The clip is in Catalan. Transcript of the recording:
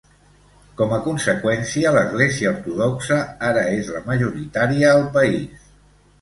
Com a conseqüència, l'església ortodoxa ara és la majoritària al país.